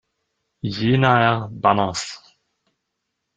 Jenaer Banners.